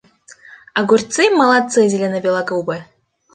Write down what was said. Огурцы — молодцы зеленобелогубы.